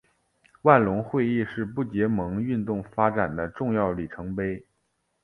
万隆会议是不结盟运动发展的重要里程碑。